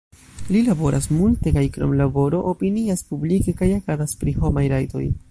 Li laboras multe kaj, krom laboro, opinias publike kaj agadas pri homaj rajtoj.